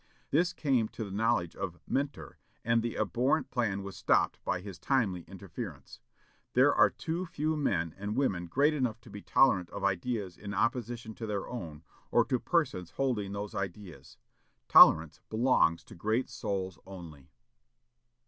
This came to the knowledge of "Mentor" and the abhorrent plan was stopped by his timely interference. There are too few men and women great enough to be tolerant of ideas in opposition to their own, or to persons holding those ideas. Tolerance belongs to great souls only.